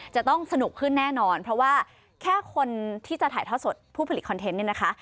จะต้องสนุกขึ้นแน่นอนเพราะว่าแค่คนที่จะถ่ายทอดสดผู้ผลิตคอนเทนต์เนี่ยนะคะ